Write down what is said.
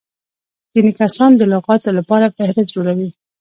ځيني کسان د لغاتو له پاره فهرست جوړوي.